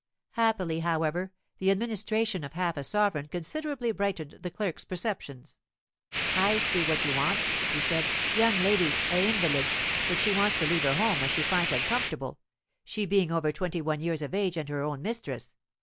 Happily, however, the administration of half a sovereign considerably brightened the clerk's perceptions. "I see what you want," he said. "Young lady a invalid, which she wants to leave her home as she finds uncomfortable, she being over twenty one years of age and her own mistress.